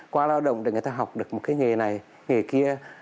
qua lao động để người ta học được một cái nghề này nghề kia